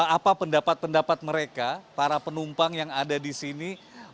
apa pendapat pendapat mereka para penumpang yang ada di sini